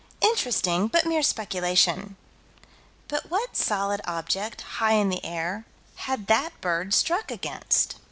Interesting, but mere speculation but what solid object, high in the air, had that bird struck against?